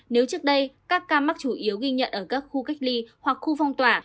nếu trước đây các ca mắc chủ yếu ghi nhận ở các khu cách ly hoặc khu phong tỏa